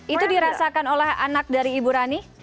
itu dirasakan oleh anak dari ibu rani